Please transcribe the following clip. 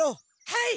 はい！